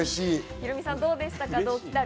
ヒロミさん、どうでしたか？